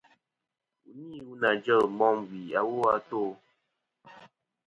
Wu ni wu nà jel môm wì awo a tô.